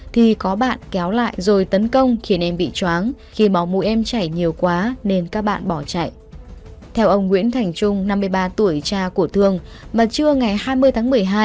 theo ông nguyễn thành trung năm mươi ba tuổi cha của thương mà trưa ngày hai mươi tháng một mươi hai